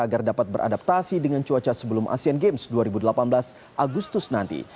agar dapat beradaptasi dengan cuaca sebelum asean games dua ribu delapan belas agustus nanti